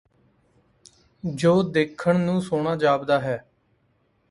ਜੋ ਦੇਖਣ ਨੂੰ ਸੋਹਣਾ ਜਾਪਦਾ ਹੈ